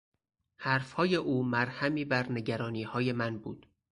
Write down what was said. حرفهای او مرهمی بر نگرانیهای من بود.